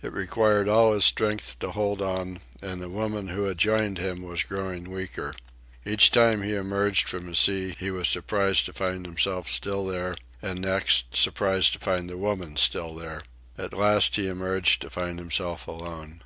It required all his strength to hold on, and the woman who had joined him was growing weaker. Each time he emerged from a sea he was surprised to find himself still there, and next, surprised to find the woman still there. At last he emerged to find himself alone.